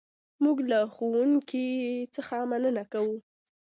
موږ له ښوونکي څخه مننه کوو.